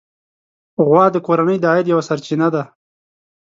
غوا د کورنۍ د عاید یوه سرچینه ده.